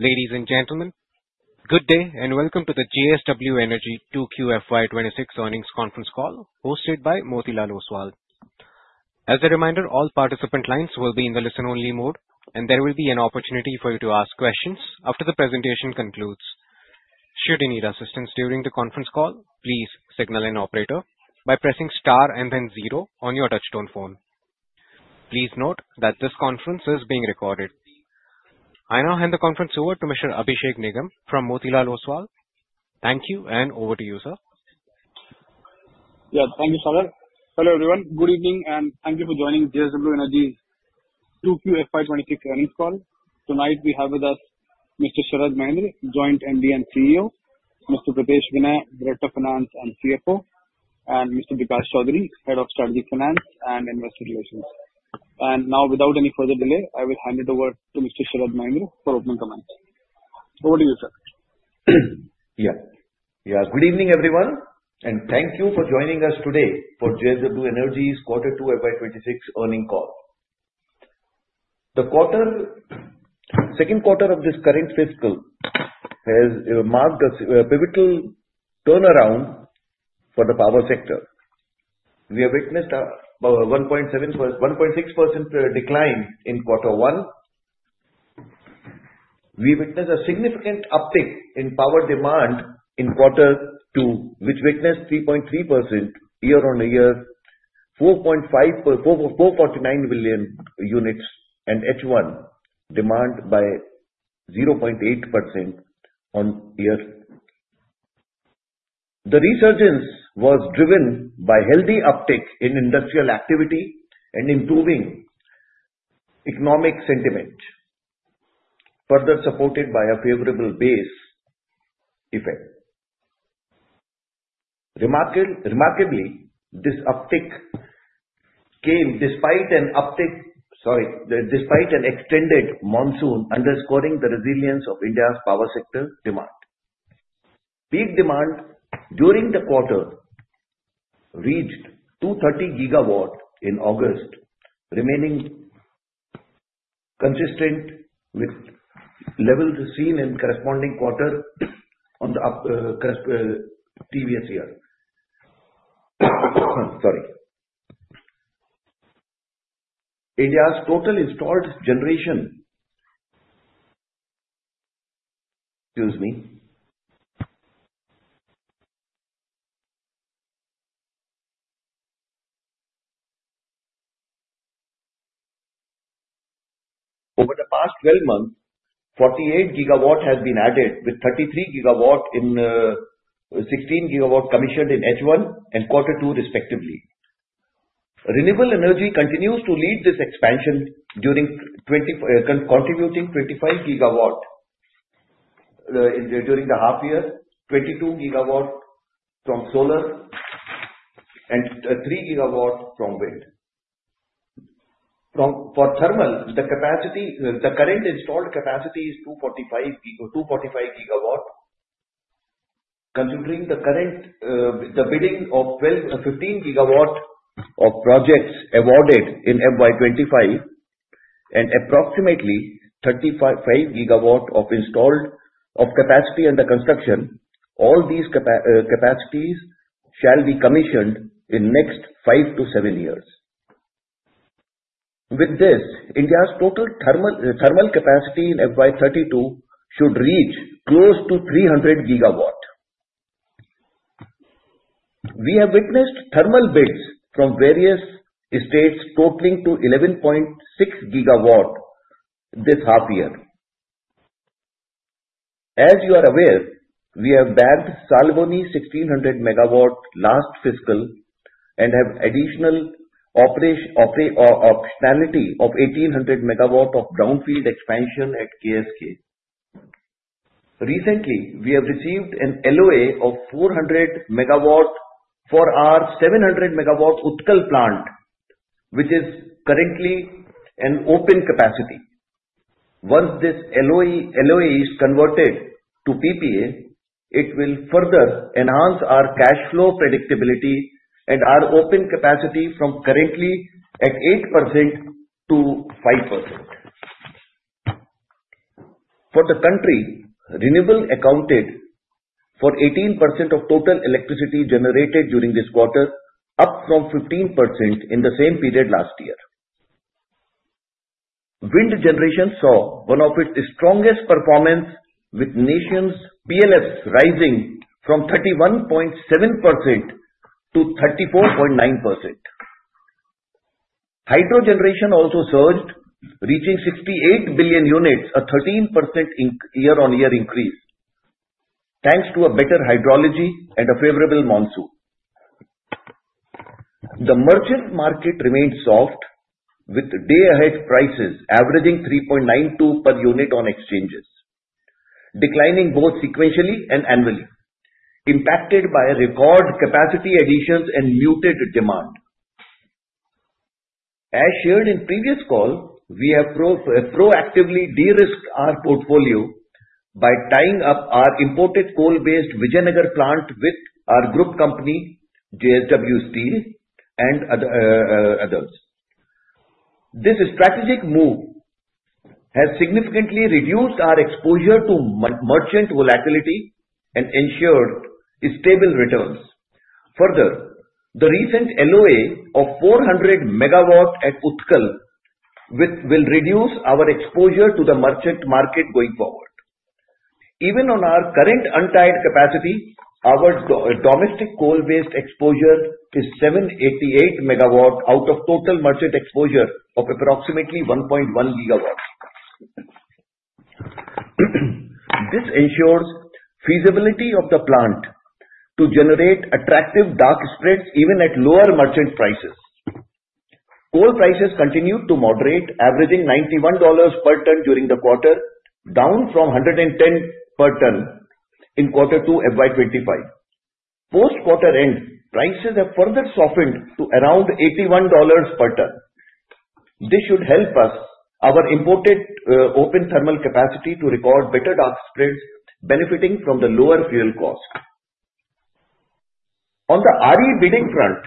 Ladies and gentlemen, good day and welcome to the JSW Energy 2QFY26 earnings conference call, hosted by Motilal Oswal. As a reminder, all participant lines will be in the listen-only mode, and there will be an opportunity for you to ask questions after the presentation concludes. Should you need assistance during the conference call, please signal an operator by pressing star and then zero on your touch-tone phone. Please note that this conference is being recorded. I now hand the conference over to Mr. Abhishek Nigam from Motilal Oswal. Thank you, and over to you, sir. Yeah, thank you, Sharad. Hello, everyone. Good evening, and thank you for joining JSW Energy 2QFY26 earnings call. Tonight, we have with us Mr. Sharad Mahendra, Joint MD and CEO, Mr. Pritesh Vinay, Director of Finance and CFO, and Mr. Vikas Choudhury, Head of Strategic Finance and Investor Relations. And now, without any further delay, I will hand it over to Mr. Sharad Mahendra for opening comments. Over to you, sir. Yeah. Yeah, good evening, everyone, and thank you for joining us today for JSW Energy's Quarter 2 FY26 earnings call. The second quarter of this current fiscal has marked a pivotal turnaround for the power sector. We have witnessed a 1.6% decline in Quarter 1. We witnessed a significant uptick in power demand in Quarter 2, which witnessed 3.3% year-on-year, 449 billion units, and H1 demand by 0.8% on year. The resurgence was driven by a healthy uptick in industrial activity and improving economic sentiment, further supported by a favorable base effect. Remarkably, this uptick came despite an uptick, sorry, despite an extended monsoon, underscoring the resilience of India's power sector demand. Peak demand during the quarter reached 230 gigawatts in August, remaining consistent with levels seen in the corresponding quarter on the previous year. Sorry. India's total installed generation, excuse me, over the past 12 months, 48 gigawatts have been added, with 33 gigawatts in 16 gigawatts commissioned in H1 and Quarter 2, respectively. Renewable energy continues to lead this expansion, contributing 25 gigawatts during the half year, 22 gigawatts from solar, and three gigawatts from wind. For thermal, the current installed capacity is 245 gigawatts. Considering the bidding of 15 gigawatts of projects awarded in FY25 and approximately 35 gigawatts of capacity under construction, all these capacities shall be commissioned in the next five to seven years. With this, India's total thermal capacity in FY32 should reach close to 300 gigawatts. We have witnessed thermal bids from various states totaling to 11.6 gigawatts this half year. As you are aware, we have backed Salboni 1,600 megawatts last fiscal and have additional optionality of 1,800 megawatts of brownfield expansion at KSK. Recently, we have received an LOA of 400 megawatts for our 700 megawatts Utkal plant, which is currently an open capacity. Once this LOA is converted to PPA, it will further enhance our cash flow predictability and our open capacity from currently at 8% to 5%. For the country, renewables accounted for 18% of total electricity generated during this quarter, up from 15% in the same period last year. Wind generation saw one of its strongest performances, with nation's PLFs rising from 31.7% to 34.9%. Hydro generation also surged, reaching 68 billion units, a 13% year-on-year increase, thanks to better hydrology and a favorable monsoon. The merchant market remained soft, with day-ahead prices averaging 3.92 per unit on exchanges, declining both sequentially and annually, impacted by record capacity additions and muted demand. As shared in the previous call, we have proactively de-risked our portfolio by tying up our imported coal-based Vijayanagar plant with our group company, JSW Steel, and others. This strategic move has significantly reduced our exposure to merchant volatility and ensured stable returns. Further, the recent LOA of 400 megawatts at Utkal will reduce our exposure to the merchant market going forward. Even on our current untied capacity, our domestic coal-based exposure is 788 megawatts out of total merchant exposure of approximately 1.1 gigawatts. This ensures feasibility of the plant to generate attractive dark spreads even at lower merchant prices. Coal prices continued to moderate, averaging $91 per ton during the quarter, down from $110 per ton in Quarter 2 FY25. Post-quarter-end, prices have further softened to around $81 per ton. This should help us. Our imported open thermal capacity to record better Dark Spreads, benefiting from the lower fuel cost. On the RE bidding front,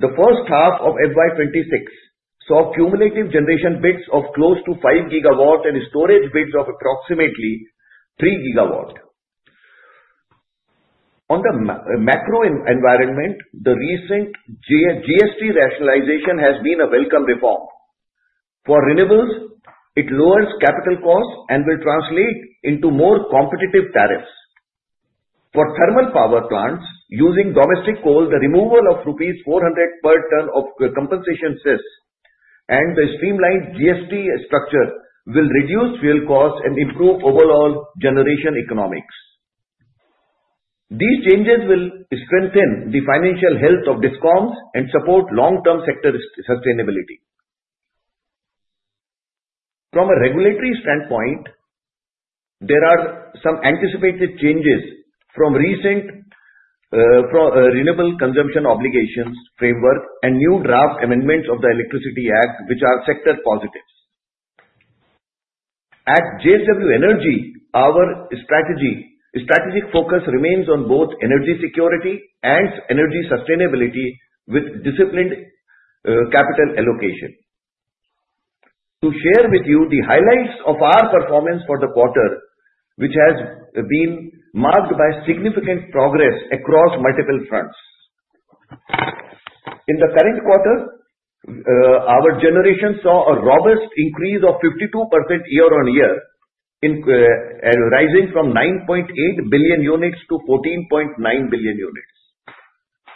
the first half of FY26 saw cumulative generation bids of close to five gigawatts and storage bids of approximately three gigawatts. On the macro environment, the recent GST rationalization has been a welcome reform. For renewables, it lowers capital costs and will translate into more competitive tariffs. For thermal power plants using domestic coal, the removal of rupees 400 per ton of Compensation Cess and the streamlined GST structure will reduce fuel costs and improve overall generation economics. These changes will strengthen the financial health of DISCOMs and support long-term sector sustainability. From a regulatory standpoint, there are some anticipated changes from recent renewable consumption obligations framework and new draft amendments of the Electricity Act, which are sector positives. At JSW Energy, our strategic focus remains on both energy security and energy sustainability with disciplined capital allocation. To share with you the highlights of our performance for the quarter, which has been marked by significant progress across multiple fronts. In the current quarter, our generation saw a robust increase of 52% year-on-year, rising from 9.8 billion units to 14.9 billion units.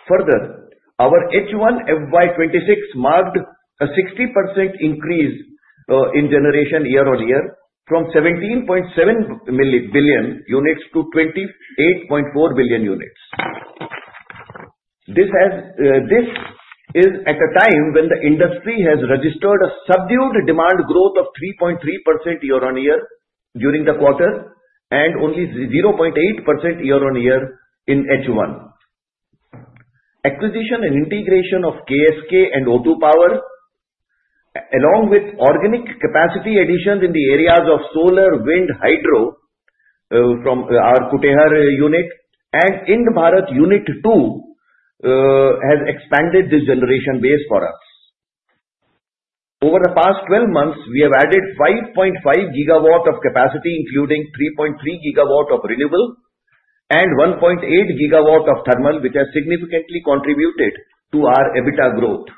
Further, our H1 FY26 marked a 60% increase in generation year-on-year, from 17.7 billion units to 28.4 billion units. This is at a time when the industry has registered a subdued demand growth of 3.3% year-on-year during the quarter and only 0.8% year-on-year in H1. Acquisition and integration of KSK and O2 Power, along with organic capacity additions in the areas of solar, wind, hydro from our Kutehr unit and Ind-Barath unit 2, has expanded this generation base for us. Over the past 12 months, we have added 5.5 gigawatts of capacity, including 3.3 gigawatts of renewable and 1.8 gigawatts of thermal, which has significantly contributed to our EBITDA growth.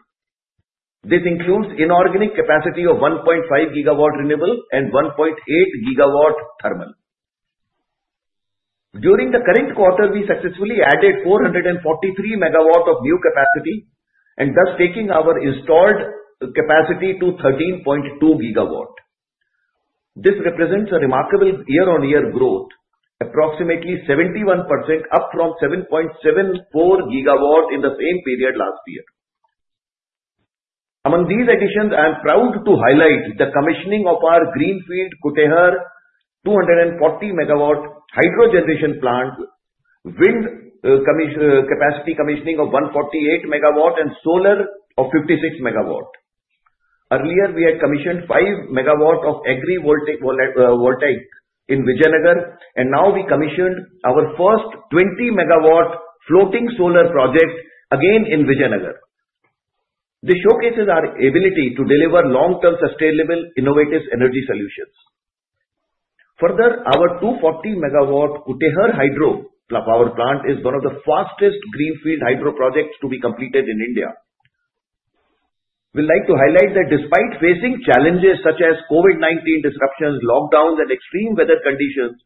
This includes inorganic capacity of 1.5 gigawatts renewable and 1.8 gigawatts thermal. During the current quarter, we successfully added 443 megawatts of new capacity, and thus taking our installed capacity to 13.2 gigawatts. This represents a remarkable year-on-year growth, approximately 71%, up from 7.74 gigawatts in the same period last year. Among these additions, I am proud to highlight the commissioning of our greenfield Kutehr 240 megawatt hydro generation plant, wind capacity commissioning of 148 megawatts, and solar of 56 megawatts. Earlier, we had commissioned 5 megawatts of agrivoltaic in Vijayanagar, and now we commissioned our first 20 megawatt floating solar project again in Vijayanagar. This showcases our ability to deliver long-term sustainable innovative energy solutions. Further, our 240 megawatt Kutehr hydro power plant is one of the fastest greenfield hydro projects to be completed in India. We'd like to highlight that despite facing challenges such as COVID-19 disruptions, lockdowns, and extreme weather conditions,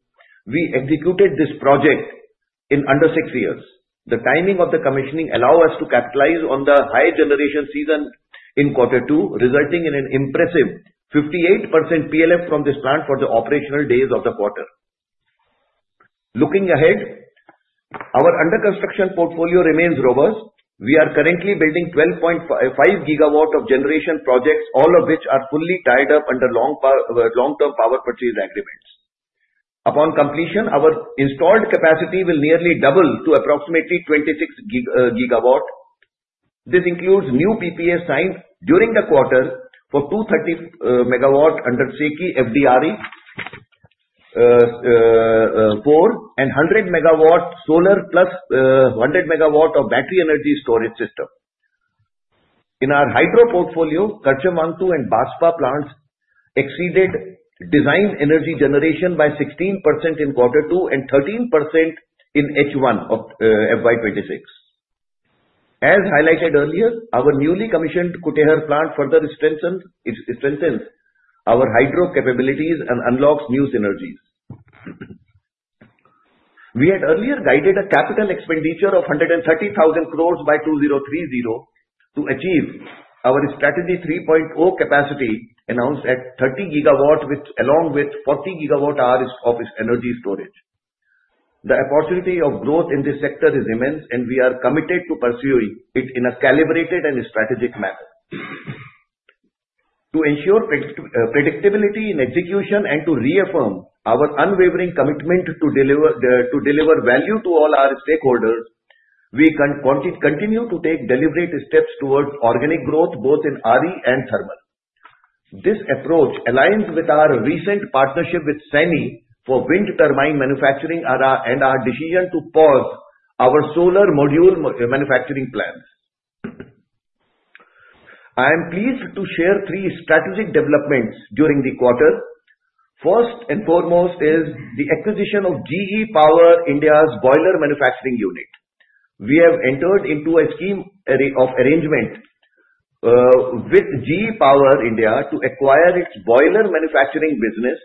we executed this project in under six years. The timing of the commissioning allowed us to capitalize on the high generation season in Quarter 2, resulting in an impressive 58% PLF from this plant for the operational days of the quarter. Looking ahead, our under-construction portfolio remains robust. We are currently building 12.5 gigawatts of generation projects, all of which are fully tied up under long-term power purchase agreements. Upon completion, our installed capacity will nearly double to approximately 26 gigawatts. This includes new PPAs signed during the quarter for 230 megawatts under SECI FDRE 4 and 100 megawatts solar plus 100 megawatts of battery energy storage system. In our hydro portfolio, Karcham Wangtoo and Baspa plants exceeded design energy generation by 16% in Quarter 2 and 13% in H1 of FY26. As highlighted earlier, our newly commissioned Kutehr plant further strengthens our hydro capabilities and unlocks new synergies. We had earlier guided a capital expenditure of ₹130,000 crores by 2030 to achieve our Strategy 3.0 capacity announced at 30 gigawatts, along with 40 gigawatt-hours of energy storage. The opportunity of growth in this sector is immense, and we are committed to pursuing it in a calibrated and strategic manner. To ensure predictability in execution and to reaffirm our unwavering commitment to deliver value to all our stakeholders, we continue to take deliberate steps towards organic growth, both in RE and thermal. This approach aligns with our recent partnership with SANY for wind turbine manufacturing and our decision to pause our solar module manufacturing plans. I am pleased to share three strategic developments during the quarter. First and foremost is the acquisition of GE Power India's boiler manufacturing unit. We have entered into a scheme of arrangement with GE Power India to acquire its boiler manufacturing business.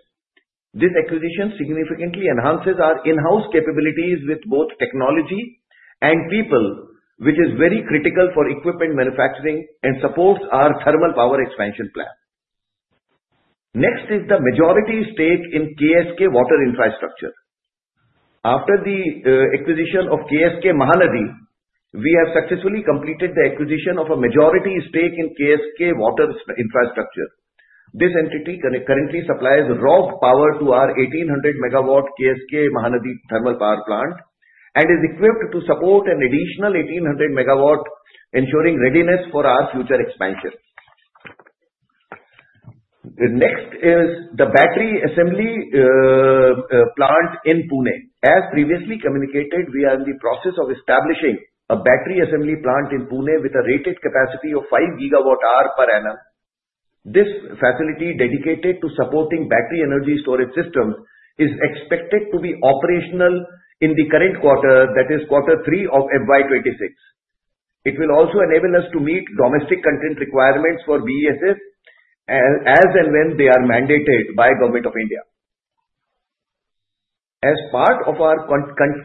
This acquisition significantly enhances our in-house capabilities with both technology and people, which is very critical for equipment manufacturing and supports our thermal power expansion plan. Next is the majority stake in KSK Water Infrastructure. After the acquisition of KSK Mahanadi, we have successfully completed the acquisition of a majority stake in KSK Water Infrastructure. This entity currently supplies raw water to our 1,800 megawatt KSK Mahanadi thermal power plant and is equipped to support an additional 1,800 megawatt, ensuring readiness for our future expansion. Next is the battery assembly plant in Pune. As previously communicated, we are in the process of establishing a battery assembly plant in Pune with a rated capacity of 5 gigawatt-hour per annum. This facility dedicated to supporting battery energy storage systems is expected to be operational in the current quarter, that is, Quarter 3 of FY26. It will also enable us to meet domestic content requirements for BESS as and when they are mandated by Government of India. As part of our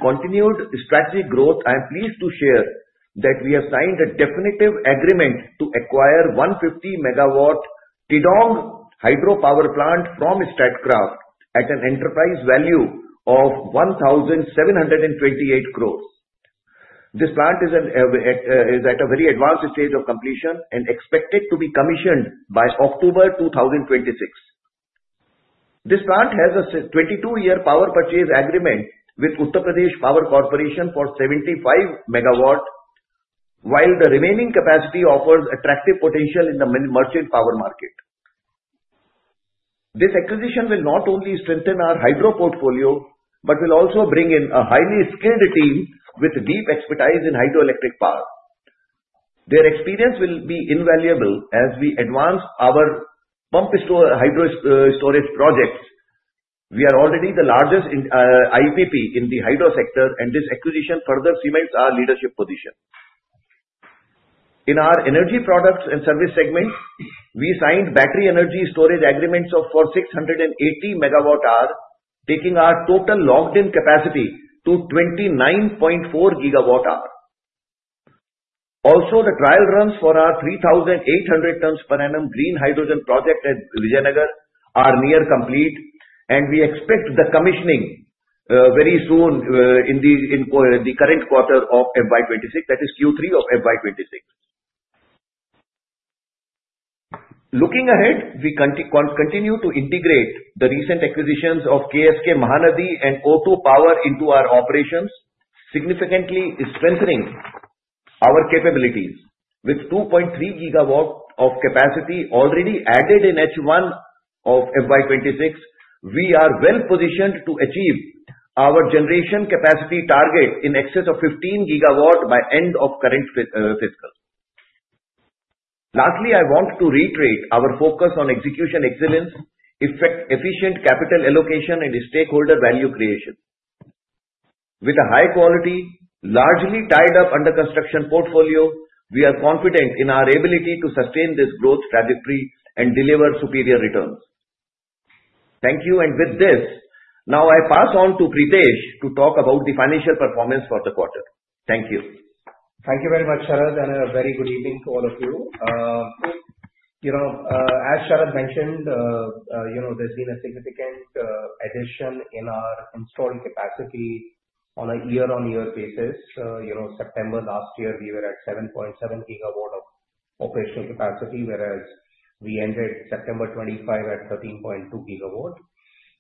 continued strategic growth, I am pleased to share that we have signed a definitive agreement to acquire 150 megawatt Tidong Hydro Power Plant from Statkraft at an enterprise value of 1,728 crores. This plant is at a very advanced stage of completion and expected to be commissioned by October 2026. This plant has a 22-year power purchase agreement with Uttar Pradesh Power Corporation for 75 megawatts, while the remaining capacity offers attractive potential in the merchant power market. This acquisition will not only strengthen our hydro portfolio but will also bring in a highly skilled team with deep expertise in hydroelectric power. Their experience will be invaluable as we advance our pumped storage projects. We are already the largest IPP in the hydro sector, and this acquisition further cements our leadership position. In our energy products and service segment, we signed battery energy storage agreements for 680 megawatt-hour, taking our total locked-in capacity to 29.4 gigawatt-hour. Also, the trial runs for our 3,800 tons per annum green hydrogen project at Vijayanagar are near complete, and we expect the commissioning very soon in the current quarter of FY26, that is, Q3 of FY26. Looking ahead, we continue to integrate the recent acquisitions of KSK Mahanadi and O2 Power into our operations, significantly strengthening our capabilities. With 2.3 gigawatts of capacity already added in H1 of FY26, we are well positioned to achieve our generation capacity target in excess of 15 gigawatts by end of current fiscal. Lastly, I want to reiterate our focus on execution excellence, efficient capital allocation, and stakeholder value creation. With a high quality, largely tied up under-construction portfolio, we are confident in our ability to sustain this growth trajectory and deliver superior returns. Thank you, and with this, now I pass on to Pritesh to talk about the financial performance for the quarter. Thank you. Thank you very much, Sharad, and a very good evening to all of you. As Sharad mentioned, there's been a significant addition in our installed capacity on a year-on-year basis. September last year, we were at 7.7 gigawatts of operational capacity, whereas we ended September 25 at 13.2 gigawatts.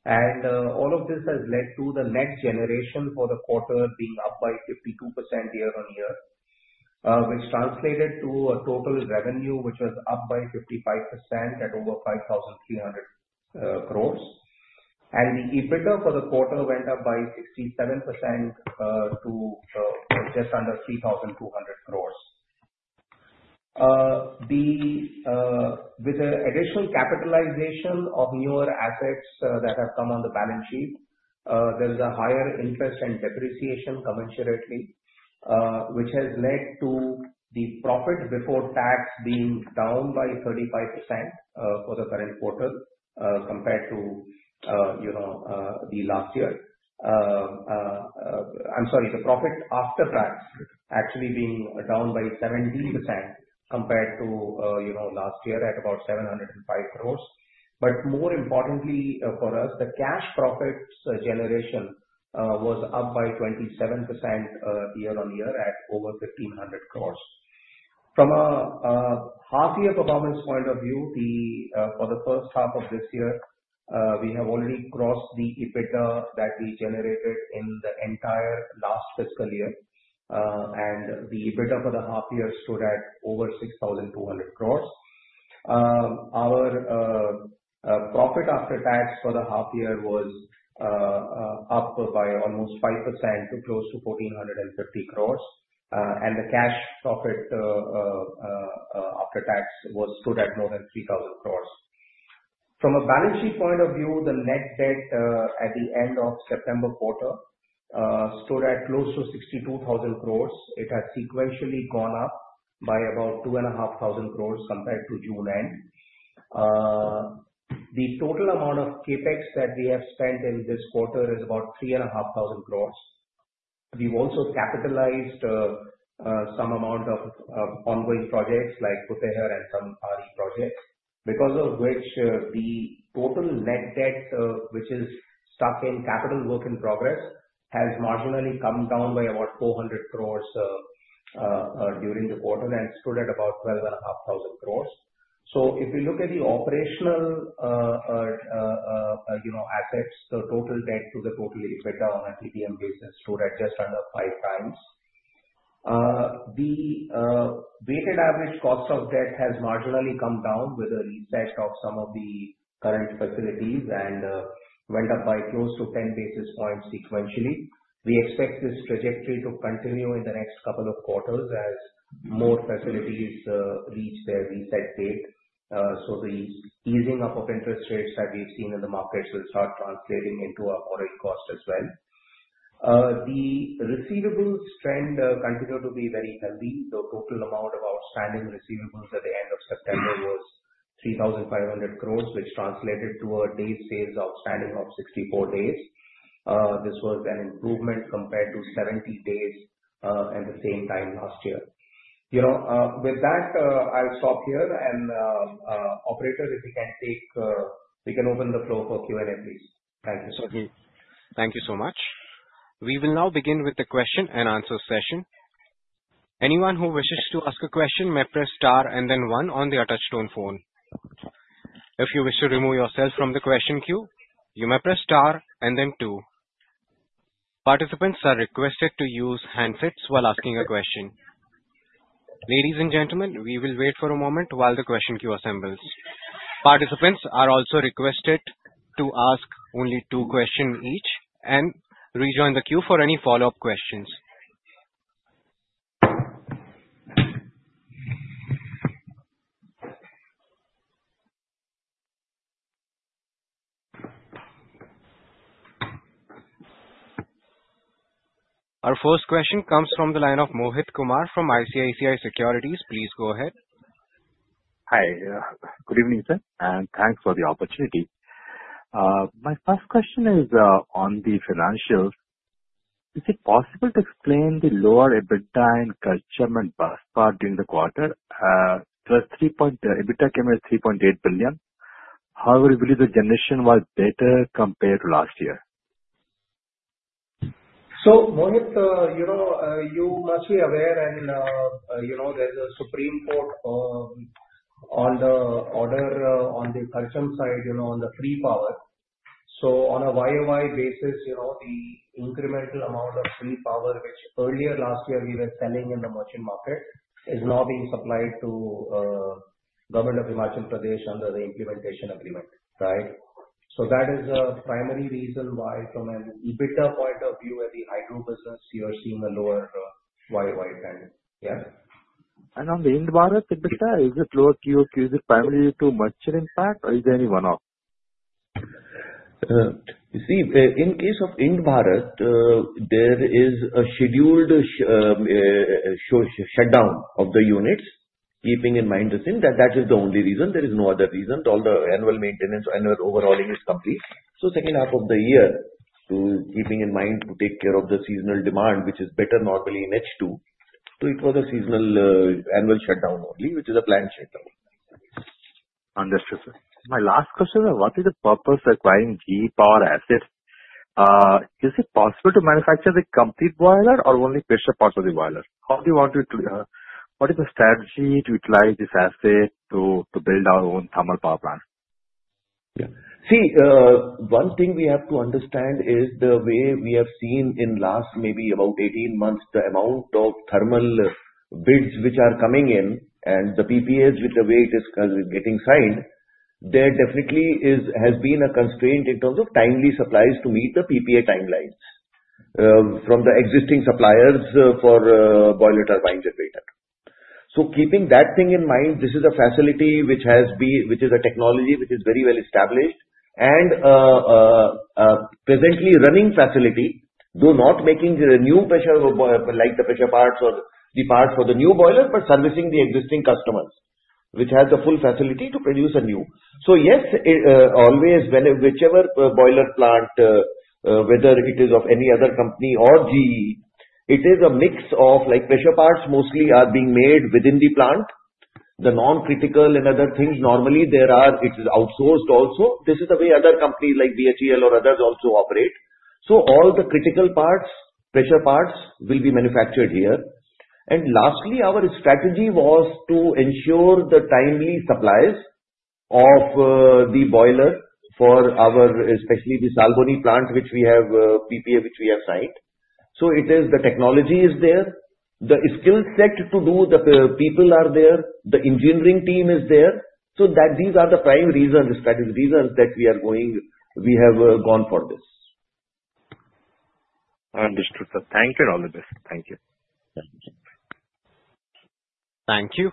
And all of this has led to the net generation for the quarter being up by 52% year-on-year, which translated to a total revenue which was up by 55% at over 5,300 crores. And the EBITDA for the quarter went up by 67% to just under INR 3,200 crores. With the additional capitalization of newer assets that have come on the balance sheet, there is a higher interest and depreciation commensurately, which has led to the profit before tax being down by 35% for the current quarter compared to the last year. I'm sorry, the profit after tax actually being down by 17% compared to last year at about 705 crores. But more importantly for us, the cash profit generation was up by 27% year-on-year at over 1,500 crores. From a half-year performance point of view, for the first half of this year, we have already crossed the EBITDA that we generated in the entire last fiscal year, and the EBITDA for the half year stood at over 6,200 crores. Our profit after tax for the half year was up by almost 5% to close to 1,450 crores, and the cash profit after tax stood at more than 3,000 crores. From a balance sheet point of view, the net debt at the end of September quarter stood at close to 62,000 crores. It has sequentially gone up by about 2,500 crores compared to June end. The total amount of CapEx that we have spent in this quarter is about 3,500 crores. We've also capitalized some amount of ongoing projects like Kutehr and some RE projects, because of which the total net debt, which is stuck in capital work in progress, has marginally come down by about 400 crores during the quarter and stood at about 12,500 crores, so if we look at the operational assets, the total debt to the total EBITDA on a TPM basis stood at just under five times. The weighted average cost of debt has marginally come down with a reset of some of the current facilities and went up by close to 10 basis points sequentially. We expect this trajectory to continue in the next couple of quarters as more facilities reach their reset date, so the easing up of interest rates that we've seen in the markets will start translating into our borrowing cost as well. The receivables trend continued to be very healthy. The total amount of outstanding receivables at the end of September was 3,500 crores, which translated to a day's sales outstanding of 64 days. This was an improvement compared to 70 days at the same time last year. With that, I'll stop here and operator, if you can take we can open the floor for Q&A, please. Thank you. Thank you so much. We will now begin with the question and answer session. Anyone who wishes to ask a question may press star and then one on the touch-tone phone. If you wish to remove yourself from the question queue, you may press star and then two. Participants are requested to use handsets while asking a question. Ladies and gentlemen, we will wait for a moment while the question queue assembles. Participants are also requested to ask only two questions each and rejoin the queue for any follow-up questions. Our first question comes from the line of Mohit Kumar from ICICI Securities. Please go ahead. Hi. Good evening, sir, and thanks for the opportunity. My first question is on the financials. Is it possible to explain the lower EBITDA at Karcham and Baspa during the quarter? The EBITDA came at 3.8 billion. However, we believe the generation was better compared to last year. So Mohit, you must be aware, and there's a Supreme Court order on the Karcham side, on the free power. So on a YOY basis, the incremental amount of free power, which earlier last year we were selling in the merchant market, is now being supplied to the Government of Himachal Pradesh under the implementation agreement, right? So that is a primary reason why, from an EBITDA point of view, at the hydro business, you are seeing a lower YOY trend, yeah? On the Ind-Barath EBITDA, is it lower QOQ? Is it primarily due to merchant impact, or is there any one-off? You see, in case of Ind-Barath, there is a scheduled shutdown of the units, keeping in mind the same. That is the only reason. There is no other reason. All the annual maintenance, annual overhauling is complete. So second half of the year, keeping in mind to take care of the seasonal demand, which is better normally in H2, so it was a seasonal annual shutdown only, which is a planned shutdown. Understood, sir. My last question is, what is the purpose of acquiring GE Power assets? Is it possible to manufacture the complete boiler or only pressure-pot for the boiler? What is the strategy to utilize this asset to build our own thermal power plant? Yeah. See, one thing we have to understand is the way we have seen in last maybe about 18 months, the amount of thermal bids which are coming in and the PPAs with the way it is getting signed. There definitely has been a constraint in terms of timely supplies to meet the PPA timelines from the existing suppliers for boiler turbine generator. So keeping that thing in mind, this is a facility which is a technology which is very well established and a presently running facility, though not making new pressure like the pressure parts or the parts for the new boiler, but servicing the existing customers, which has the full facility to produce a new. So yes, always, whichever boiler plant, whether it is of any other company or GE, it is a mix of pressure parts mostly being made within the plant. The non-critical and other things, normally there are, it is outsourced also. This is the way other companies like BHEL or others also operate. So all the critical parts, pressure parts, will be manufactured here. And lastly, our strategy was to ensure the timely supplies of the boiler for our, especially the Salboni plant, which we have PPA, which we have signed. So it is the technology is there, the skill set to do the people are there, the engineering team is there. So these are the prime reasons, strategy reasons that we have gone for this. Understood, sir. Thank you, all the best. Thank you. Thank you.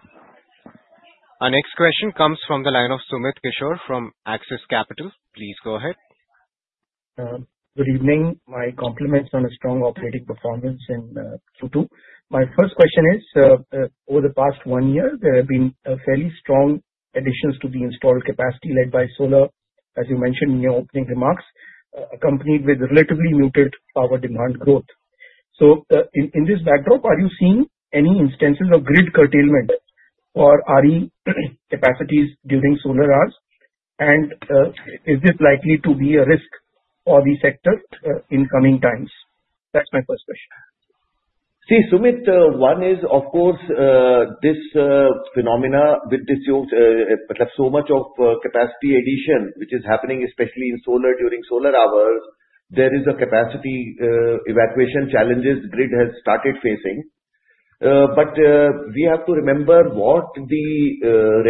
Our next question comes from the line of Sumit Kishore from Axis Capital. Please go ahead. Good evening. My compliments on a strong operating performance in Q2. My first question is, over the past one year, there have been fairly strong additions to the installed capacity led by solar, as you mentioned in your opening remarks, accompanied with relatively muted power demand growth. So in this backdrop, are you seeing any instances of grid curtailment for RE capacities during solar hours? And is this likely to be a risk for the sector in coming times? That's my first question. See, Sumit, one is, of course, this phenomenon with this so much of capacity addition, which is happening especially in solar during solar hours, there is a capacity evacuation challenge grid has started facing. But we have to remember what the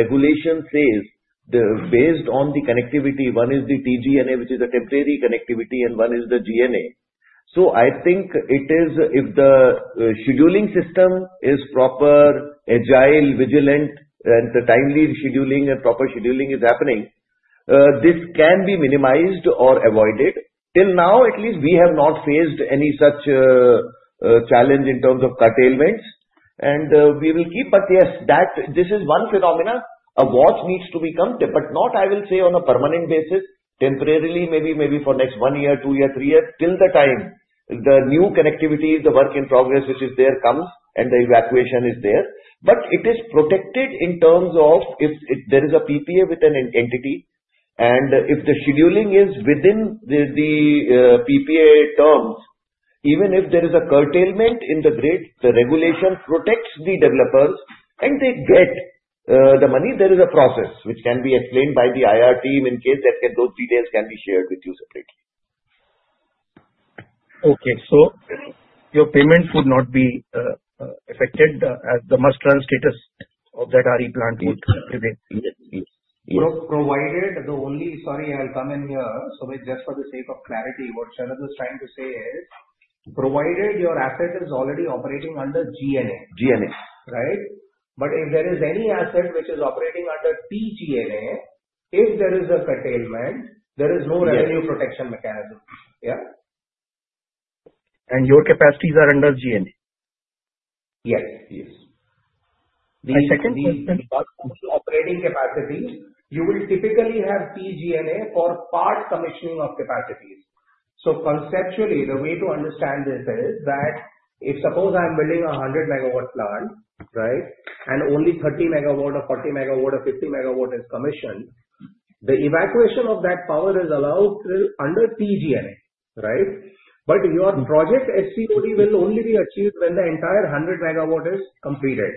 regulation says, based on the connectivity. One is the T-GNA, which is a temporary connectivity, and one is the GNA. So I think it is, if the scheduling system is proper, agile, vigilant, and the timely scheduling and proper scheduling is happening, this can be minimized or avoided. Till now, at least, we have not faced any such challenge in terms of curtailments, and we will keep. But yes, this is one phenomenon. A watch needs to be kept, but not, I will say, on a permanent basis, temporarily, maybe for next one year, two year, three year, till the time the new connectivity, the work in progress, which is there, comes, and the evacuation is there. But it is protected in terms of if there is a PPA with an entity, and if the scheduling is within the PPA terms, even if there is a curtailment in the grid, the regulation protects the developers, and they get the money. There is a process, which can be explained by the IR team in case that those details can be shared with you separately. Okay. So your payments would not be affected as the must-run status of that RE plant would be? Provided the only - sorry, I'll come in here. So just for the sake of clarity, what Sharad was trying to say is, provided your asset is already operating under GNA. GNA. Right? But if there is any asset which is operating under TGNA, if there is a curtailment, there is no revenue protection mechanism, yeah? And your capacities are under GNA? Yes. Yes. The second thing is operating capacity. You will typically have TGNA for part commissioning of capacities. So conceptually, the way to understand this is that if, suppose I'm building a 100-megawatt plant, right, and only 30 megawatt or 40 megawatt or 50 megawatt is commissioned, the evacuation of that power is allowed under T-GNA, right? But your project SCOD will only be achieved when the entire 100 megawatt is completed.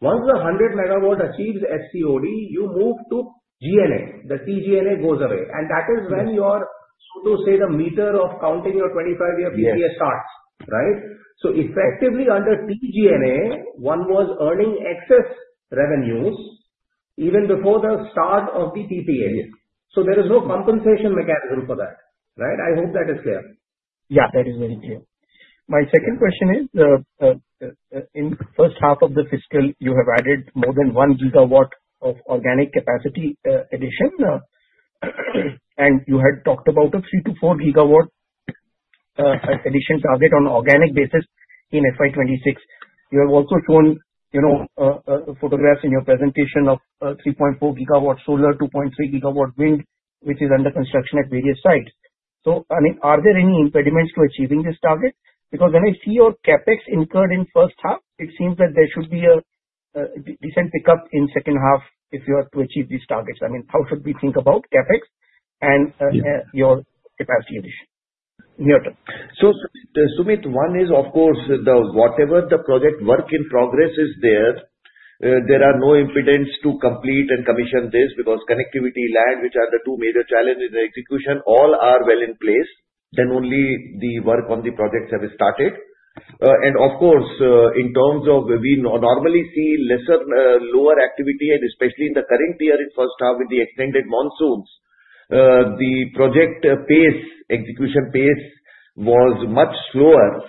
Once the 100 megawatt achieves SCOD, you move to GNA. The T-GNA goes away. And that is when your, so to say, the meter of counting your 25-year PPA starts, right? So effectively, under T-GNA, one was earning excess revenues even before the start of the PPA. So there is no compensation mechanism for that, right? I hope that is clear. Yeah, that is very clear. My second question is, in the first half of the fiscal, you have added more than one gigawatt of organic capacity addition, and you had talked about a 3-4 gigawatt addition target on an organic basis in FY26. You have also shown photographs in your presentation of 3.4 gigawatt solar, 2.3 gigawatt wind, which is under construction at various sites. So, I mean, are there any impediments to achieving this target? Because when I see your CapEx incurred in the first half, it seems that there should be a decent pickup in the second half if you are to achieve these targets. I mean, how should we think about CapEx and your capacity addition? So, Sumit, one is, of course, whatever the project work in progress is there, there are no impediments to complete and commission this because connectivity, land, which are the two major challenges in execution, all are well in place. Then only the work on the projects have started. And, of course, in terms of we normally see lesser lower activity, and especially in the current year in the first half with the extended monsoons, the project pace, execution pace was much slower.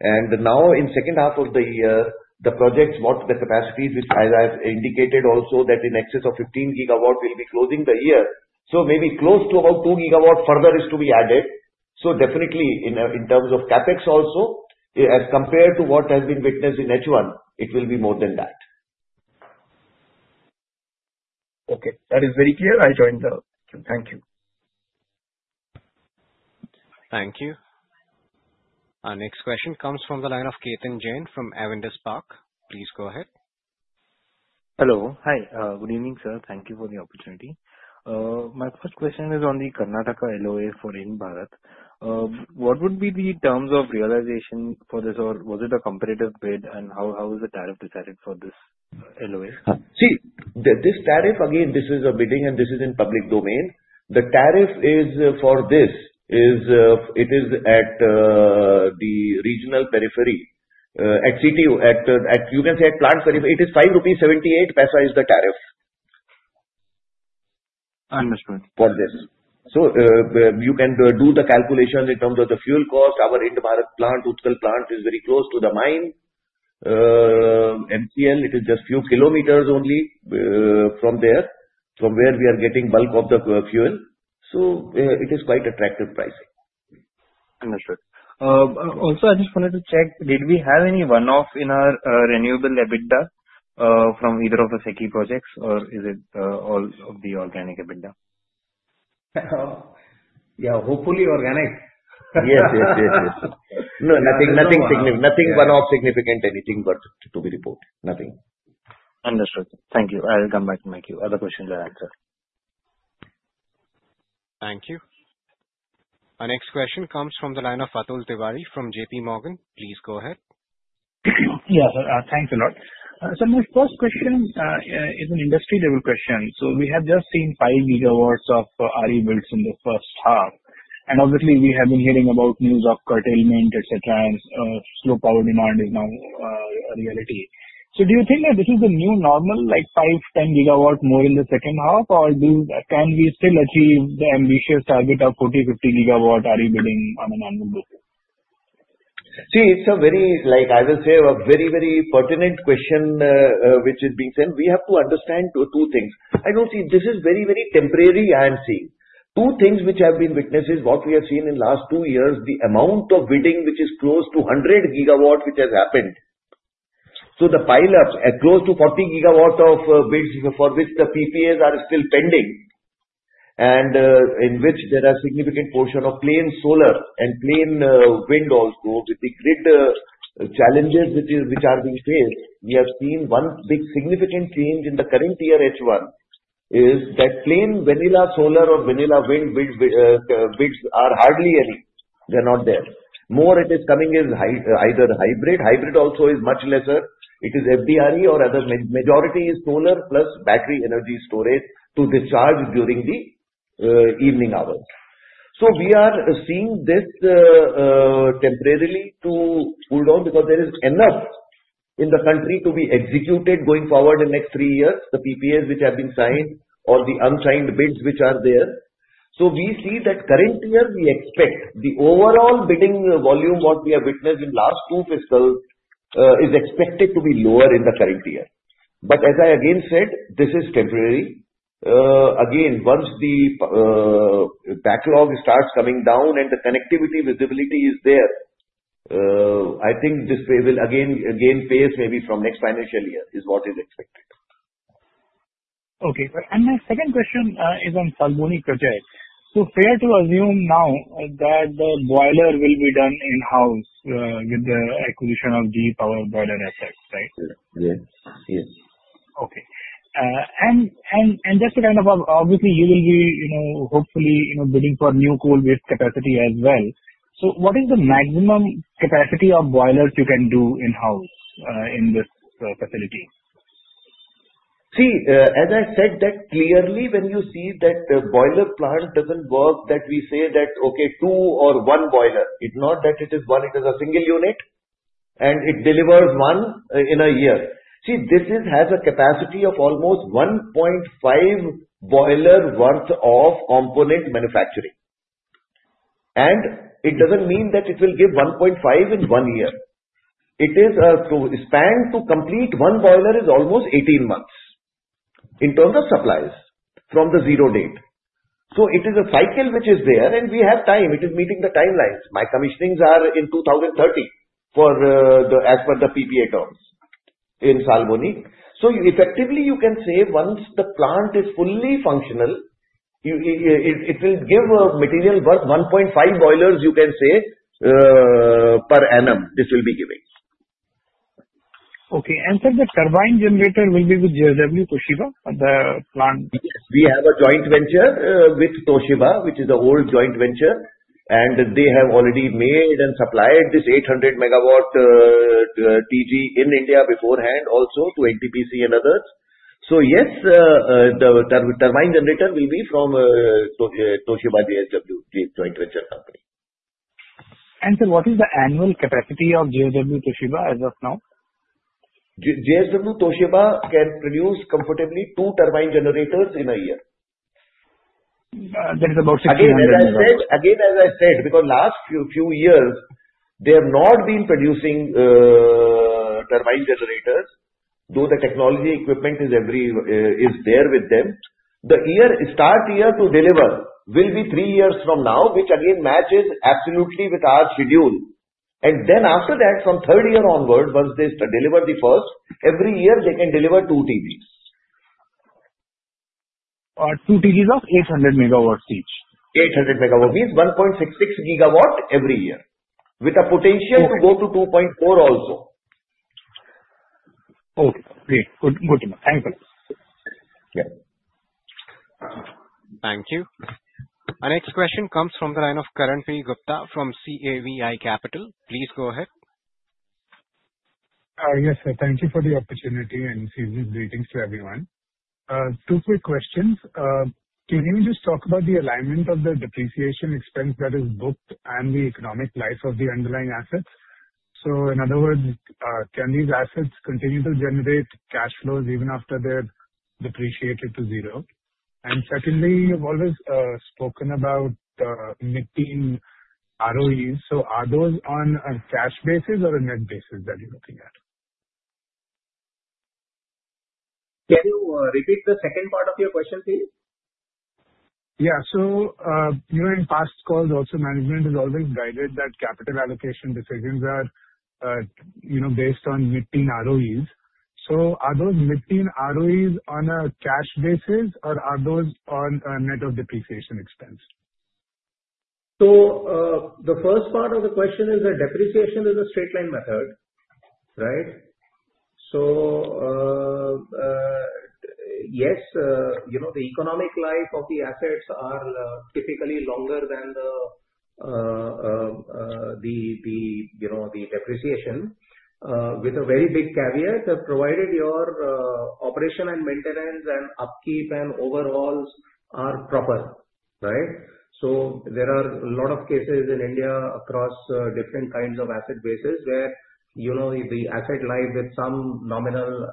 And now, in the second half of the year, the projects want the capacity, which, as I've indicated also, that in excess of 15 gigawatt will be closing the year. So maybe close to about 2 gigawatt further is to be added. So definitely, in terms of CapEx also, as compared to what has been witnessed in H1, it will be more than that. Okay. That is very clear. I join the, thank you. Thank you. Our next question comes from the line of Ketan Jain from Avendus Spark. Please go ahead. Hello. Hi. Good evening, sir. Thank you for the opportunity. My first question is on the Karnataka LOA for Ind-Barath. What would be the terms of realization for this, or was it a competitive bid, and how was the tariff decided for this LOA? See, this tariff, again, this is a bidding, and this is in public domain. The tariff for this is at the regional periphery at CTU. You can say at plant periphery. It is 5.78 rupees is the tariff. Understood. For this. So you can do the calculations in terms of the fuel cost. Our Ind-Barath plant, Utkal plant, is very close to the mine. MCL, it is just a few kilometers only from there, from where we are getting bulk of the fuel. So it is quite attractive pricing. Understood. Also, I just wanted to check, did we have any one-off in our renewable EBITDA from either of the sector projects, or is it all of the organic EBITDA? Yeah, hopefully organic. Yes, yes, yes, yes. No, nothing one-off significant, anything to be reported. Nothing. Understood. Thank you. I'll come back to my other questions and answer. Thank you. Our next question comes from the line of Atul Tiwari from JPMorgan. Please go ahead. Yes, sir. Thanks a lot. So my first question is an industry-level question. So we have just seen five gigawatts of RE builds in the first half. And obviously, we have been hearing about news of curtailment, etc., and slow power demand is now a reality. So do you think that this is the new normal, like five, 10 gigawatt more in the second half, or can we still achieve the ambitious target of 40, 50 gigawatt RE bidding on an annual basis? See, it's a very, I will say, a very, very pertinent question which is being sent. We have to understand two things. I don't see this is very, very temporary. I am seeing two things which have been witnessed is what we have seen in the last two years, the amount of bidding which is close to 100 gigawatt which has happened. So the pile-up, close to 40 gigawatt of bids for which the PPAs are still pending, and in which there are significant portions of plain solar and plain wind also, with the grid challenges which are being faced, we have seen one big significant change in the current year H1 is that plain vanilla solar or vanilla wind bids are hardly any. They're not there. More it is coming is either hybrid. Hybrid also is much lesser. It is FDRE or other majority is solar plus battery energy storage to discharge during the evening hours. So we are seeing this temporarily to hold on because there is enough in the country to be executed going forward in the next three years, the PPAs which have been signed or the unsigned bids which are there. So we see that current year we expect the overall bidding volume what we have witnessed in the last two fiscals is expected to be lower in the current year. But as I again said, this is temporary. Again, once the backlog starts coming down and the connectivity visibility is there, I think this will again face maybe from next financial year is what is expected. Okay. And my second question is on Salboni project. So fair to assume now that the boiler will be done in-house with the acquisition of GE Power boiler assets, right? Yes. Yes. Okay. And just to kind of obviously, you will be hopefully bidding for new coal-based capacity as well. So what is the maximum capacity of boilers you can do in-house in this facility? See, as I said that clearly, when you see that the boiler plant doesn't work that we say that, okay, two or one boiler. It's not that it is one. It is a single unit, and it delivers one in a year. See, this has a capacity of almost 1.5 boiler worth of component manufacturing. And it doesn't mean that it will give 1.5 in one year. It is a span to complete one boiler is almost 18 months in terms of supplies from the zero date. So it is a cycle which is there, and we have time. It is meeting the timelines. My commissionings are in 2030 as per the PPA terms in Salboni. So effectively, you can say once the plant is fully functional, it will give a material worth 1.5 boilers, you can say, per annum this will be giving. Okay. And so the turbine generator will be with JSW Toshiba for the plant. We have a joint venture with Toshiba, which is an old joint venture, and they have already made and supplied this 800-megawatt TG in India beforehand also to NTPC and others. So yes, the turbine generator will be from Toshiba JSW, the joint venture company. And so what is the annual capacity of JSW Toshiba as of now? JSW Toshiba can produce comfortably two turbine generators in a year. That is about 600 megawatts. Again, as I said, because last few years, they have not been producing turbine generators, though the technology equipment is there with them. The start year to deliver will be three years from now, which again matches absolutely with our schedule. And then after that, from third year onward, once they deliver the first, every year they can deliver two TGs. Two TGs of 800 megawatts each? 800 megawatts, which means 1.66 gigawatt every year with a potential to go to 2.4 also. Okay. Okay. Good to know. Thank you. Thank you. Our next question comes from the line of Karan Gupta from Karma Capital. Please go ahead. Yes, sir. Thank you for the opportunity and sending these greetings to everyone. Two quick questions. Can you just talk about the alignment of the depreciation expense that is booked and the economic life of the underlying assets? So in other words, can these assets continue to generate cash flows even after they're depreciated to zero? And secondly, you've always spoken about netting ROEs. So are those on a cash basis or a net basis that you're looking at? Can you repeat the second part of your question, please? Yeah. So during past calls, also management has always guided that capital allocation decisions are based on netting ROEs. So are those netting ROEs on a cash basis, or are those on a net of depreciation expense? So the first part of the question is that depreciation is a straight-line method, right? So yes, the economic life of the assets are typically longer than the depreciation with a very big caveat provided your operation and maintenance and upkeep and overhauls are proper, right? So there are a lot of cases in India across different kinds of asset bases where the asset life with some nominal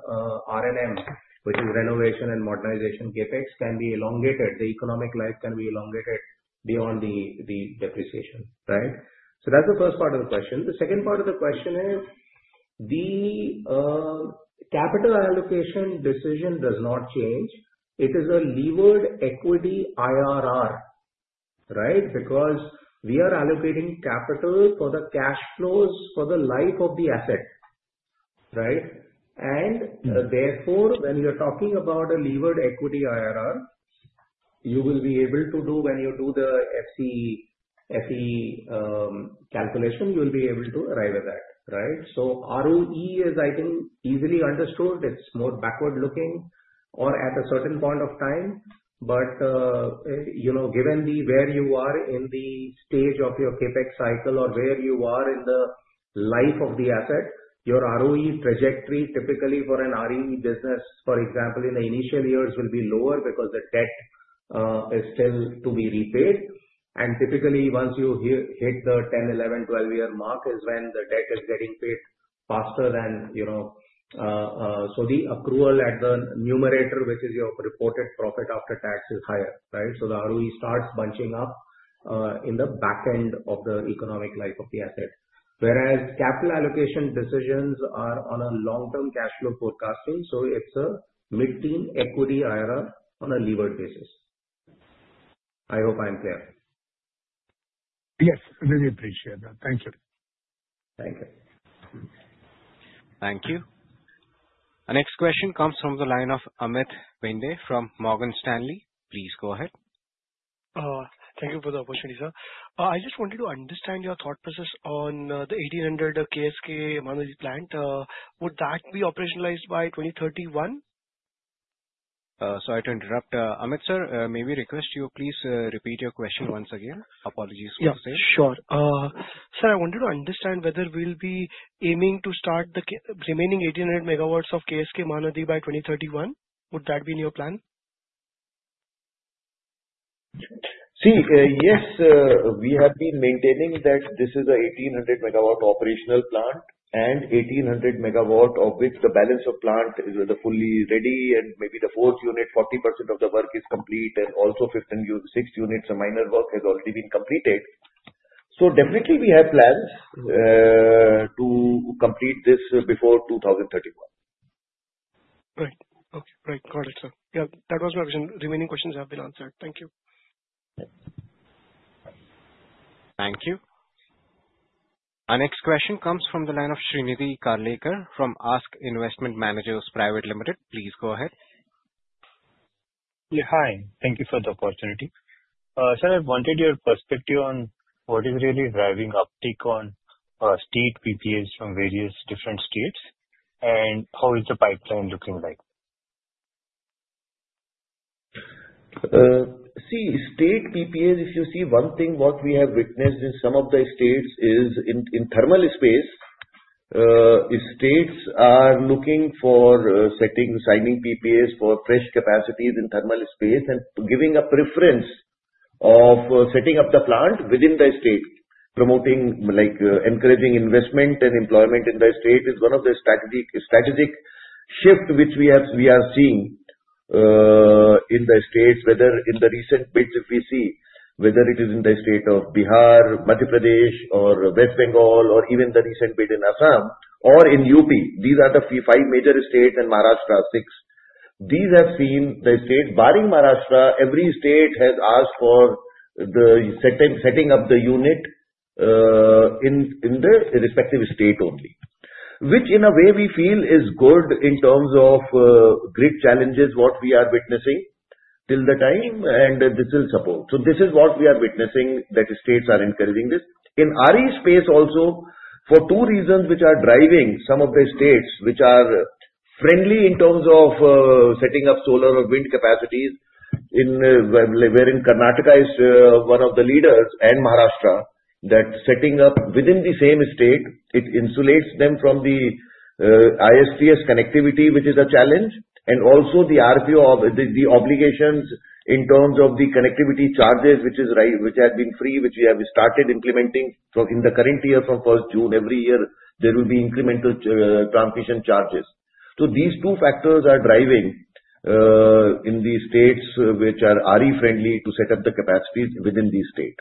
RNM, which is renovation and modernization CapEx, can be elongated. The economic life can be elongated beyond the depreciation, right? So that's the first part of the question. The second part of the question is the capital allocation decision does not change. It is a levered equity IRR, right? Because we are allocating capital for the cash flows for the life of the asset, right? And therefore, when you're talking about a levered equity IRR, you will be able to do when you do the FC calculation, you will be able to arrive at that, right? So ROE is, I think, easily understood. It's more backward-looking or at a certain point of time. But given where you are in the stage of your Capex cycle or where you are in the life of the asset, your ROE trajectory typically for an RE business, for example, in the initial years will be lower because the debt is still to be repaid. And typically, once you hit the 10, 11, 12-year mark is when the debt is getting paid faster than so the accrual at the numerator, which is your reported profit after tax, is higher, right? So the ROE starts bunching up in the back end of the economic life of the asset. Whereas capital allocation decisions are on a long-term cash flow forecasting. So it's a netting equity IRR on a levered basis. I hope I'm clear. Yes. Really appreciate that. Thank you. Thank you. Thank you. Our next question comes from the line of Amit Pandey from Morgan Stanley. Please go ahead. Thank you for the opportunity, sir. I just wanted to understand your thought process on the 1,800 KSK Mahanadi plant. Would that be operationalized by 2031? Sorry to interrupt. Amit sir, may we request you please repeat your question once again? Apologies for the static. Yes, sure. Sir, I wanted to understand whether we'll be aiming to start the remaining 1,800 megawatts of KSK Mahanadi by 2031. Would that be in your plan? See, yes, we have been maintaining that this is a 1,800 megawatt operational plant and 1,800 megawatt of which the balance of plant is fully ready and maybe the fourth unit, 40% of the work is complete and also six units of minor work has already been completed. So definitely, we have plans to complete this before 2031. Right. Okay. Right. Got it, sir. Yeah, that was my question. Remaining questions have been answered. Thank you. Thank you. Our next question comes from the line of Shrinidhi Karlekar from ASK Investment Managers Private Limited. Please go ahead. Yeah. Hi. Thank you for the opportunity. Sir, I wanted your perspective on what is really driving uptake on state PPAs from various different states and how is the pipeline looking like? See, state PPAs, if you see one thing what we have witnessed in some of the states is in thermal space, states are looking for signing PPAs for fresh capacities in thermal space and giving a preference of setting up the plant within the state. Promoting, encouraging investment and employment in the state is one of the strategic shifts which we are seeing in the states, whether in the recent bids if we see whether it is in the state of Bihar, Madhya Pradesh, or West Bengal, or even the recent bid in Assam or in UP. These are the five major states and Maharashtra, six. This we've seen the state, barring Maharashtra. Every state has asked for the setting up the unit in the respective state only, which in a way we feel is good in terms of grid challenges what we are witnessing till the time and this will support. This is what we are witnessing, that states are encouraging this. In RE space also, for two reasons which are driving some of the states which are friendly in terms of setting up solar or wind capacities, wherein Karnataka is one of the leaders and Maharashtra, that setting up within the same state, it insulates them from the ISTS connectivity, which is a challenge, and also the obligations in terms of the connectivity charges, which have been free, which we have started implementing in the current year from first June. Every year, there will be incremental transmission charges. So these two factors are driving in the states which are RE-friendly to set up the capacities within the state.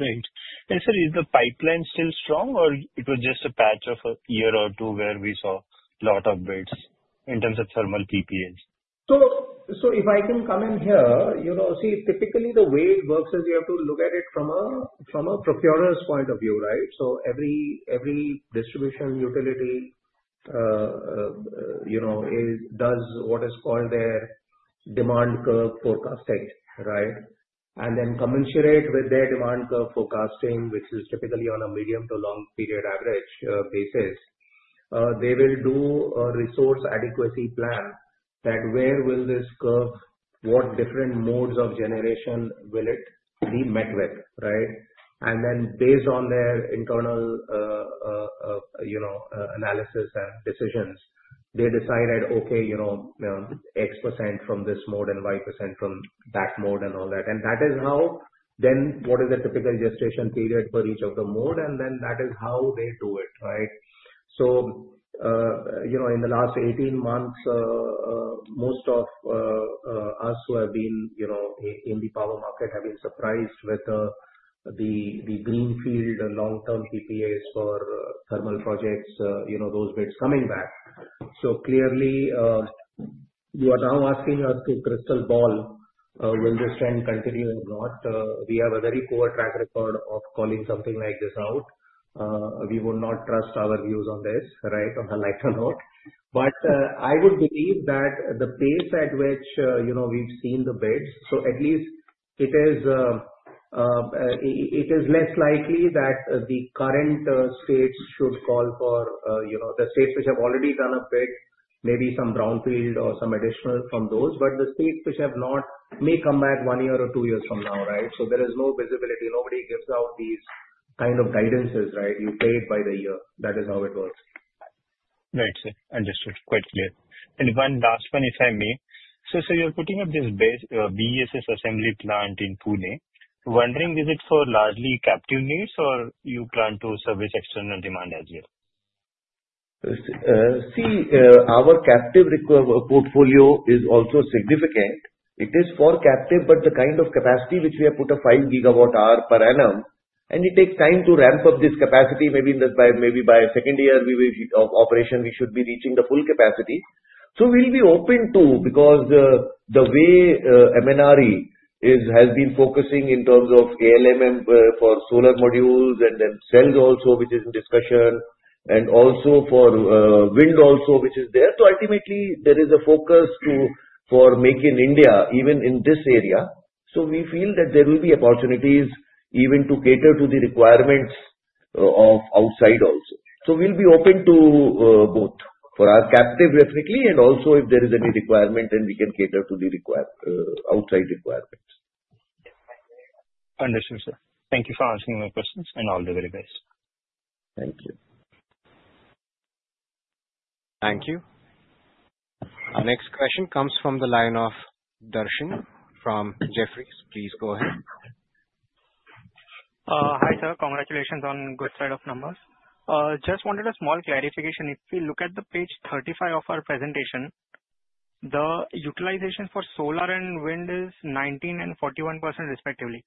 Right. And sir, is the pipeline still strong or it was just a patch of a year or two where we saw a lot of bids in terms of thermal PPAs? So if I can come in here, see, typically the way it works is you have to look at it from a procurer's point of view, right? So every distribution utility does what is called their demand curve forecasting, right? And then commensurate with their demand curve forecasting, which is typically on a medium to long period average basis, they will do a resource adequacy plan that, where will this curve, what different modes of generation will it be met with, right? And then, based on their internal analysis and decisions, they decided, okay, X% from this mode and Y% from that mode and all that. And that is how then, what is the typical gestation period for each of the mode, and then that is how they do it, right? So in the last 18 months, most of us who have been in the power market have been surprised with the greenfield long-term PPAs for thermal projects, those bids coming back. So clearly, you are now asking us to crystal ball will this trend continue or not. We have a very poor track record of calling something like this out. We would not trust our views on this, right, on the light or not. But I would believe that the pace at which we've seen the bids, so at least it is less likely that the current states should call for the states which have already done a bid, maybe some brownfield or some additional from those, but the states which have not may come back one year or two years from now, right? So there is no visibility. Nobody gives out these kind of guidances, right? You play it by the year. That is how it works. Right. Understood. Quite clear. And one last one, if I may. So you're putting up this BESS assembly plant in Pune. Wondering, is it for largely captive needs or you plan to service external demand as well? See, our captive portfolio is also significant. It is for captive, but the kind of capacity which we have put a 5 gigawatt hour per annum, and it takes time to ramp up this capacity. Maybe by second year of operation, we should be reaching the full capacity. So we'll be open too because the way MNRE has been focusing in terms of ALMM for solar modules and then cells also, which is in discussion, and also for wind also, which is there. So ultimately, there is a focus for Make in India, even in this area. So we feel that there will be opportunities even to cater to the requirements of outside also. So we'll be open to both for our captive technically and also if there is any requirement, then we can cater to the outside requirements. Understood, sir. Thank you for answering my questions and all the very best. Thank you. Thank you. Our next question comes from the line of Darshan from Jefferies. Please go ahead. Hi, sir. Congratulations on good set of numbers. Just wanted a small clarification. If we look at the page 35 of our presentation, the utilization for solar and wind is 19% and 41% respectively.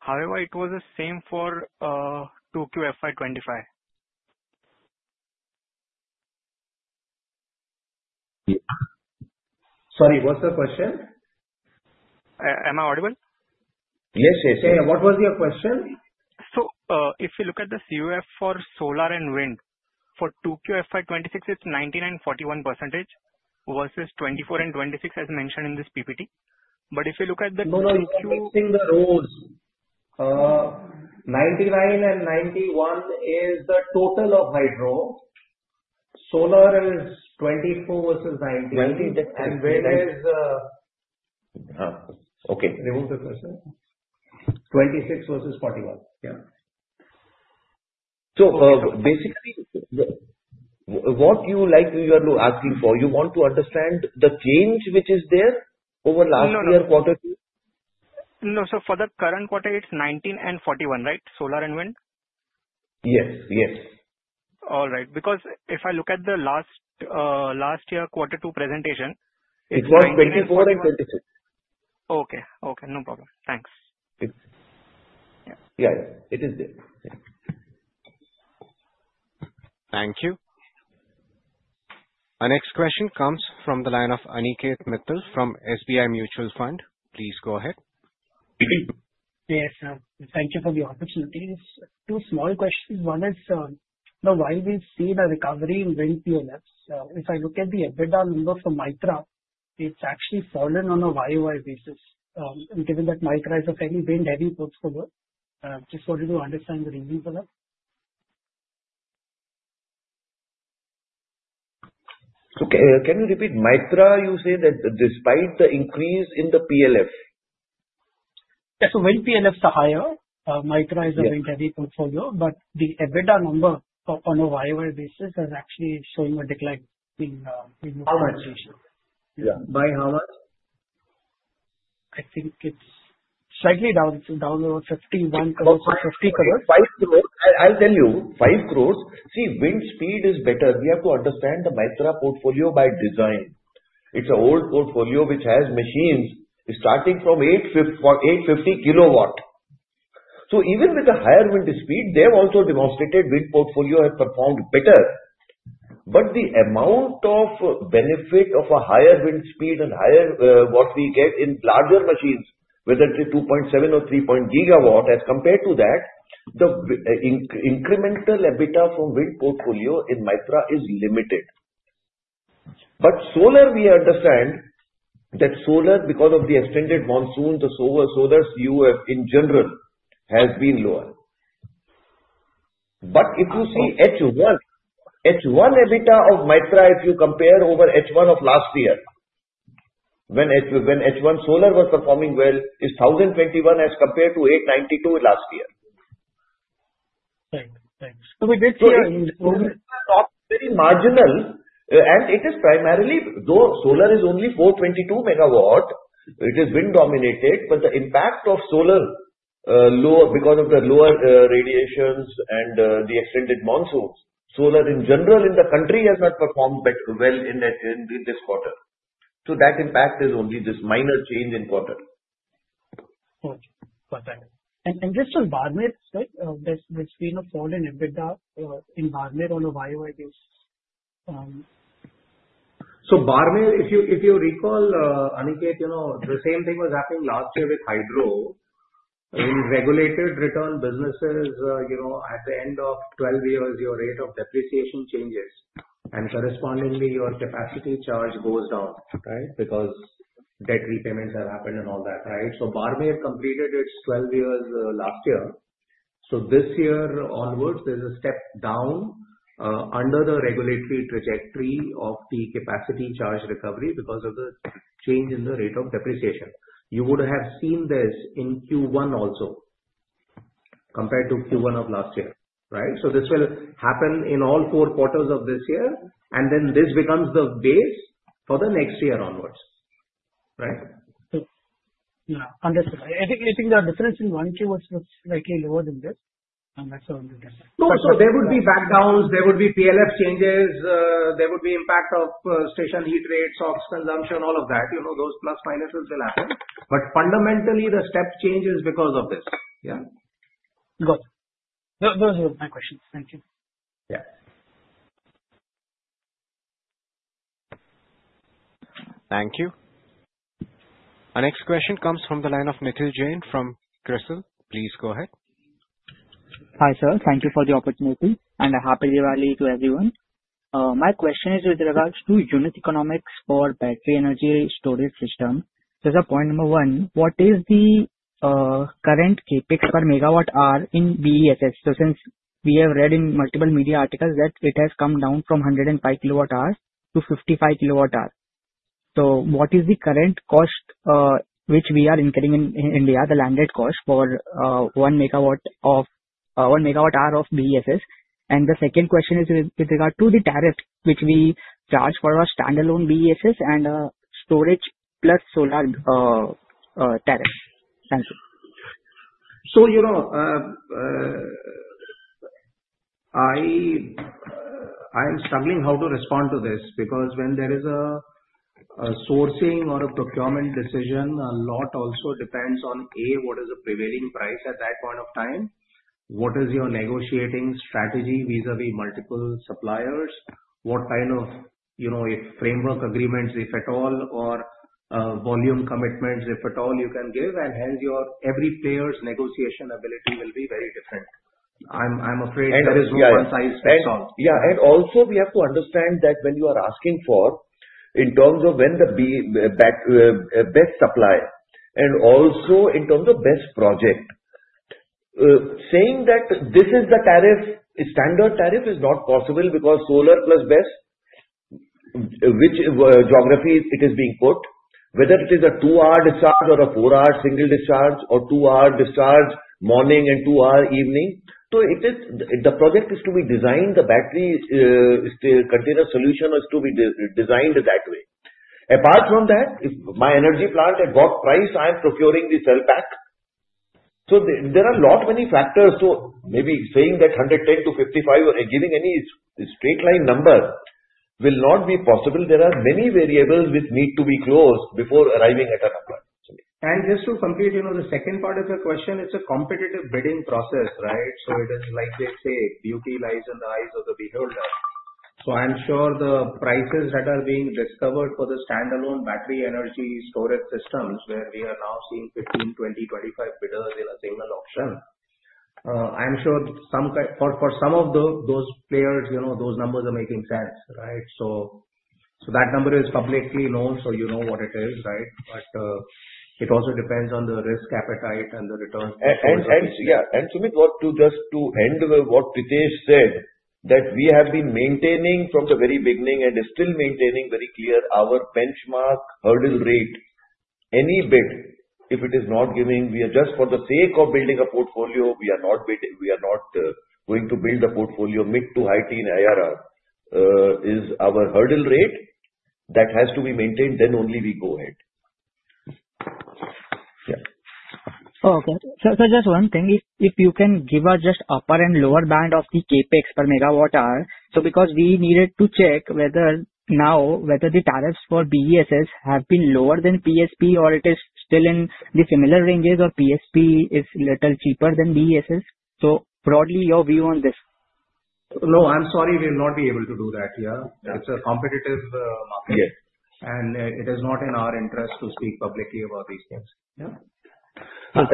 However, it was the same for 2Q FY25. Sorry, what's the question? Am I audible? Yes, yes, yes. What was your question? So if you look at the CUF for solar and wind, for 2Q FY26, it's 19% and 41% versus 24% and 26% as mentioned in this PPT. But if you look at the 2Q FY26. No, no. You're mixing the rows. 99% and 91% is the total of hydro. Solar is 24% versus 99%. And wind is 26% versus 41%. Yeah. So basically, what you like you are asking for, you want to understand the change which is there over last year quarter two? No, sir. For the current quarter, it's 19 and 41, right? Solar and wind? Yes, yes. All right. Because if I look at the last year quarter two presentation, it was 24 and 26. Okay. Okay. No problem. Thanks. Yeah. It is there. Thank you. Our next question comes from the line of Aniket Mittal from SBI Mutual Fund. Please go ahead. Yes, sir. Thank you for the opportunity. Two small questions. One is while we see the recovery in wind PLFs, if I look at the EBITDA number for Mytrah, it's actually fallen on a YY basis. Given that Mytrah is a fairly wind-heavy portfolio, I just wanted to understand the reason for that. Can you repeat? Mytrah, you say that despite the increase in the PLF? So wind PLFs are higher. Mytrah is a wind-heavy portfolio, but the EBITDA number on a YY basis is actually showing a decline in. How much? Yeah. By how much? I think it's slightly down, down over 51 crores, 50 crores. I'll tell you, five crores. See, wind speed is better. We have to understand the Mytrah portfolio by design. It's an old portfolio which has machines starting from 850 kilowatt. So even with the higher wind speed, they have also demonstrated wind portfolio has performed better. But the amount of benefit of a higher wind speed and what we get in larger machines, whether it is 2.7 or 3 gigawatt, as compared to that, the incremental EBITDA from wind portfolio in Mytrah is limited. But solar, we understand that solar, because of the extended monsoon, the solar skew in general has been lower. But if you see H1, H1 EBITDA of Mytrah, if you compare over H1 of last year, when H1 solar was performing well, is 1,021 as compared to 892 last year. Right. Right. So we did see a very marginal, and it is primarily, though solar is only 422 megawatt, it is wind-dominated, but the impact of solar because of the lower radiations and the extended monsoons, solar in general in the country has not performed well in this quarter. So that impact is only this minor change in quarter. Got it. And just on Barmer, right? The sharp fall in EBITDA in Barmer on a YY basis. So Barmer, if you recall, Aniket, the same thing was happening last year with hydro. In regulated return businesses, at the end of 12 years, your rate of depreciation changes, and correspondingly, your capacity charge goes down, right? Because debt repayments have happened and all that, right? So Barmer completed its 12 years last year. So this year onwards, there's a step down under the regulatory trajectory of the capacity charge recovery because of the change in the rate of depreciation. You would have seen this in Q1 also compared to Q1 of last year, right? So this will happen in all four quarters of this year, and then this becomes the base for the next year onwards, right? Yeah. Understood. I think the difference in one Q was slightly lower than this, and that's why I understand. No, so there would be backgrounds. There would be PLF changes. There would be impact of station heat rates, SOX consumption, all of that. Those plus minuses will happen. But fundamentally, the step change is because of this. Yeah? Got it. Those are my questions. Thank you. Yeah. Thank you. Our next question comes from the line of Mithil Jain from CRISIL. Please go ahead. Hi, sir. Thank you for the opportunity, and a happy Diwali to everyone. My question is with regards to unit economics for battery energy storage system. There's a point number one. What is the current CapEx per megawatt hour in BESS? So since we have read in multiple media articles that it has come down from 105 kilowatt hour to 55 kilowatt hour. So what is the current cost which we are incurring in India, the landed cost for one megawatt hour of BESS? And the second question is with regard to the tariff which we charge for our standalone BESS and storage plus solar tariffs. Thank you. So I am struggling how to respond to this because when there is a sourcing or a procurement decision, a lot also depends on A, what is the prevailing price at that point of time? What is your negotiating strategy vis-à-vis multiple suppliers? What kind of framework agreements, if at all, or volume commitments, if at all, you can give? And hence, every player's negotiation ability will be very different. I'm afraid there is no one-size-fits-all. Yeah. And also, we have to understand that when you are asking for in terms of when the BESS supply and also in terms of BESS project, saying that this is the standard tariff is not possible because solar plus BESS, which geography it is being put, whether it is a two-hour discharge or a four-hour single discharge or two-hour discharge morning and two-hour evening. So the project is to be designed, the battery container solution is to be designed that way. Apart from that, my energy plant, at what price I'm procuring this LPAC? So there are a lot many factors. So maybe saying that 110 to 55 or giving any straight line number will not be possible. There are many variables which need to be closed before arriving at a number. And just to complete the second part of the question, it's a competitive bidding process, right? So it is like they say, beauty lies in the eyes of the beholder. So I'm sure the prices that are being discovered for the standalone battery energy storage systems where we are now seeing 15, 20, 25 bidders in a single auction, I'm sure for some of those players, those numbers are making sense, right? So that number is publicly known, so you know what it is, right? But it also depends on the risk appetite and the returns. And just to end with what Pritesh said, that we have been maintaining from the very beginning and is still maintaining very clear our benchmark hurdle rate any bid if it is not giving. We are just for the sake of building a portfolio, we are not going to build a portfolio mid- to high-teens IRR is our hurdle rate that has to be maintained, then only we go ahead. Yeah. Okay. So just one thing, if you can give us just upper and lower band of the Capex per megawatt hour, so because we needed to check whether now whether the tariffs for BESS have been lower than PSP or it is still in the similar ranges or PSP is a little cheaper than BESS. So broadly, your view on this? No, I'm sorry, we will not be able to do that here. It's a competitive market. And it is not in our interest to speak publicly about these things. Yeah. But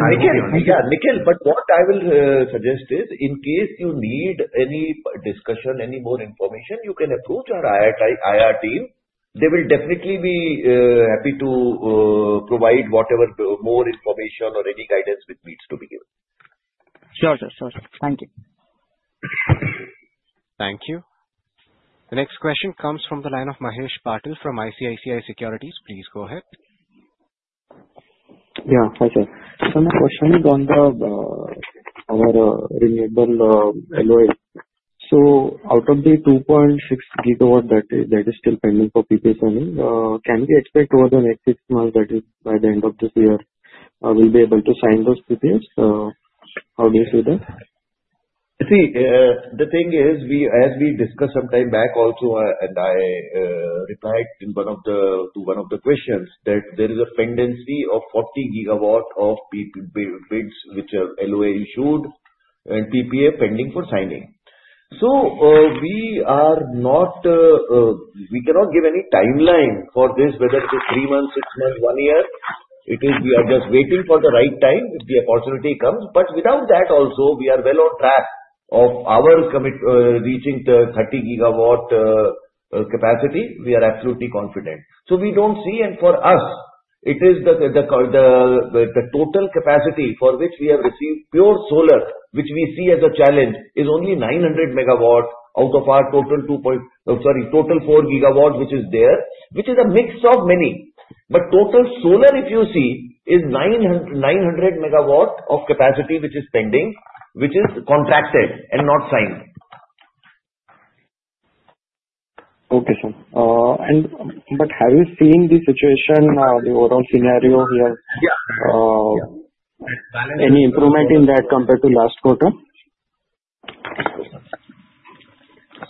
what I will suggest is in case you need any discussion, any more information, you can approach our IR team. They will definitely be happy to provide whatever more information or any guidance which needs to be given. Sure, sure, sure. Thank you. Thank you. The next question comes from the line of Mahesh Patil from ICICI Securities. Please go ahead. Yeah, hi sir. So my question is on our renewable LOA. So out of the 2.6 gigawatt that is still pending for PPA, can we expect over the next six months, that is by the end of this year, we'll be able to sign those PPAs? How do you see that? \See, the thing is, as we discussed some time back also, and I replied to one of the questions, that there is a pendency of 40 gigawatt of bids which LOA issued and PPA pending for signing. So we are not, we cannot give any timeline for this, whether it is three months, six months, one year. We are just waiting for the right time if the opportunity comes. But without that also, we are well on track of our reaching the 30 gigawatt capacity. We are absolutely confident. So we don't see, and for us, it is the total capacity for which we have received pure solar, which we see as a challenge, is only 900 megawatt out of our total four gigawatts which is there, which is a mix of many. But total solar, if you see, is 900 megawatt of capacity which is pending, which is contracted and not signed. Okay, sir. But have you seen the situation, the overall scenario here? Any improvement in that compared to last quarter?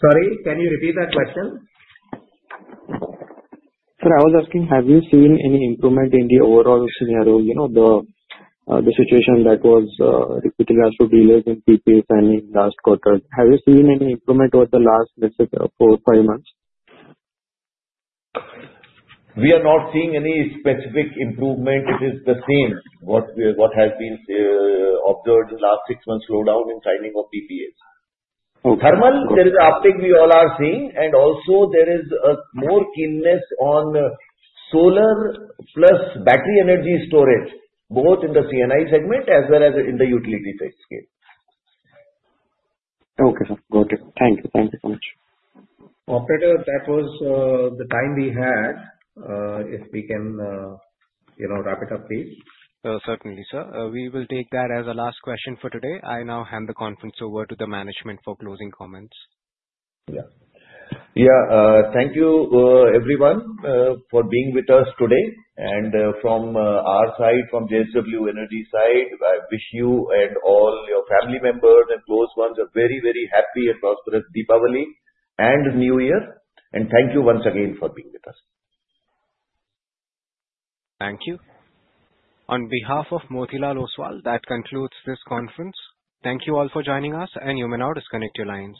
Sorry, can you repeat that question? Sir, I was asking, have you seen any improvement in the overall scenario, the situation that was with regards to DISCOMs and PPAs signing last quarter? Have you seen any improvement over the last four, five months? We are not seeing any specific improvement. It is the same what has been observed in the last six months' slowdown in signing of PPAs. Thermal, there is an uptick we all are seeing, and also there is more keenness on solar plus battery energy storage, both in the C&I segment as well as in the utility scale. Okay, sir. Got it. Thank you. Thank you so much. Operator, that was the time we had. If we can wrap it up, please. Certainly, sir. We will take that as a last question for today. I now hand the conference over to the management for closing comments. Yeah. Yeah. Thank you, everyone, for being with us today. And from our side, from JSW Energy side, I wish you and all your family members and close ones a very, very happy and prosperous Deepavali and New Year. And thank you once again for being with us. Thank you. On behalf of Motilal Oswal, that concludes this conference. Thank you all for joining us, and you may now disconnect your lines.